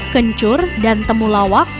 kencur dan temulawak